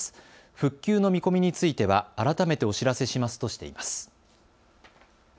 復旧の見込みについては改めてお知らせしますとしています。